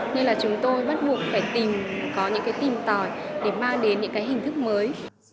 nên là chúng tôi bắt buộc phải tìm có những cái tìm tòi để mang đến những cái hình thức mới